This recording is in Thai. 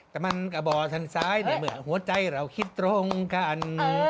แต่มันกระบ่อทันท้ายเหมือนหัวใจเราคิดตรงกัน